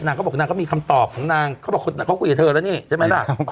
เขาบอกนางก็มีคำตอบของนางเขาบอกนางเขาคุยกับเธอแล้วนี่ใช่ไหมล่ะ